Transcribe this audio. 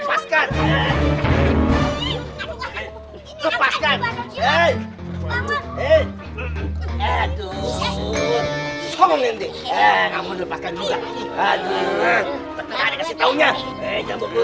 lepaskan eh eh eh eh eh kamu lepaskan juga aduh berhenti kasih taunya eh jambu